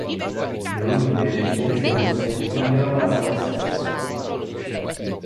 Le ultime resistenze russe finirono la sera stessa.